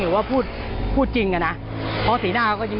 หรือว่าพูดจริงอ่ะนะเพราะสีหน้าก็ก็ยิ้ม